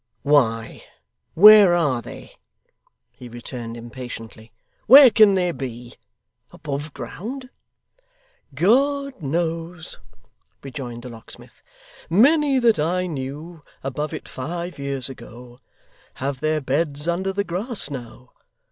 'Why, where are they?' he returned impatiently. 'Where can they be? Above ground?' 'God knows,' rejoined the locksmith, 'many that I knew above it five years ago, have their beds under the grass now.